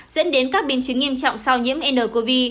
dẫn đến các biến chứng nghiêm trọng sau nhiễm ncov